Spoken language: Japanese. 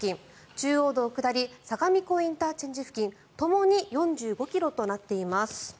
中央道下り相模湖ＩＣ付近ともに４５ｋｍとなっています。